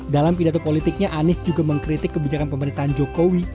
dalam pidato politiknya anies juga mengkritik kebijakan pemerintahan jokowi